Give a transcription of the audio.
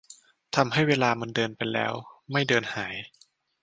ทำให้เวลามันเดินไปแล้วไม่เดินหาย